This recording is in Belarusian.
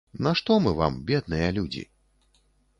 Нашто мы вам, бедныя людзі?